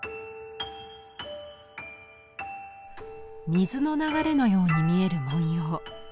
水の流れのように見える文様。